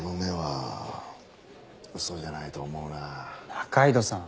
仲井戸さん。